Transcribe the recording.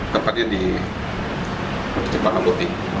tempatnya di cempaka putih